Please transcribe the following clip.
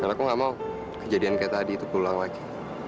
karena aku gak mau kejadian kayak tadi itu pulang lagi